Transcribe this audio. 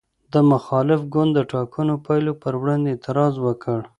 د مخالف ګوند د ټاکنو پایلو پر وړاندې اعتراض وکړ.